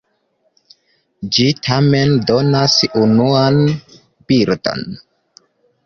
Ĝi tamen donas unuan bildon.